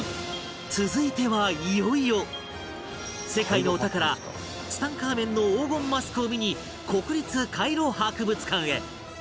続いてはいよいよ世界のお宝ツタンカーメンの黄金マスクを見に国立カイロ博物館へ